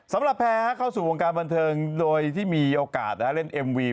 สำหรับแพ้เข้าสู่วงการบันเทิงโดยที่มีโอกาสเล่นเอ็มวี